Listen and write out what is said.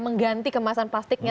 mengganti kemasan plastiknya